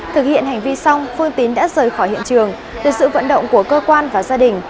thực hiện hành vi xong phương tín đã rời khỏi hiện trường được sự vận động của cơ quan và gia đình